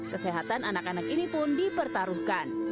kesehatan anak anak ini pun dipertaruhkan